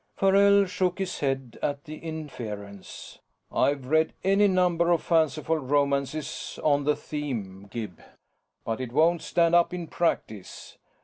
Farrell shook his head at the inference. "I've read any number of fanciful romances on the theme, Gib, but it won't stand up in practice.